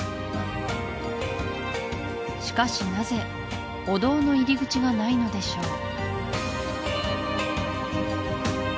しかしなぜお堂の入り口がないのでしょう